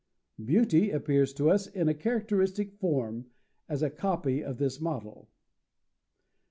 Beauty appears to us in a characteristic form, as a copy of this model.